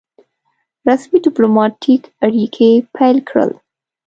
رسمي ډيپلوماټیک اړیکي پیل کړل.